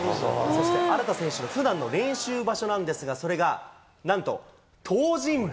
そして荒田選手のふだんの練習場所なんですが、それがなんと、東尋坊。